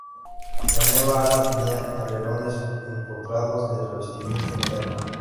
La nueva ala tenía alerones empotrados de revestimiento metálico.